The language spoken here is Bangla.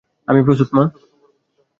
আমি প্রস্তুত, মা!